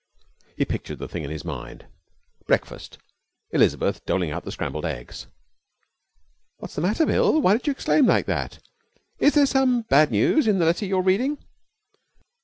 He pictured the thing in his mind. Breakfast: Elizabeth doling out the scrambled eggs. 'What's the matter, Bill? Why did you exclaim like that? Is there some bad news in the letter you are reading?'